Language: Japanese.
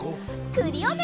クリオネ！